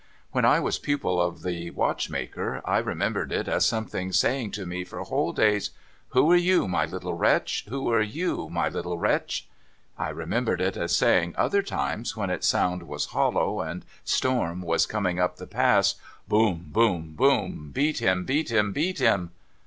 When I was pupil of the watchmaker, I remembered it as something saying to me for whole days, " Who are you, my little wretch ? Who are you, my little wretch ?" I remembered it as saying, other times, when its sound was hollow, and storm was coming up the Pass :" Boom, boom, boom. Beat him, beat him, beat him."